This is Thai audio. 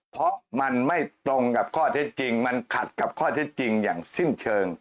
เพราะมันไม่ตรงกับข้อเท็จจริงมันขัดกับข้อเท็จจริงอย่างสิ้นเชิง